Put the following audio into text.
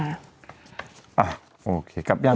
อ่ะโอเคกลับแล้ว